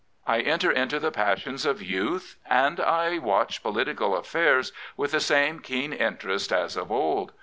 I enter into the passions of youth, and I watch political affairs with the same keen interest as of old.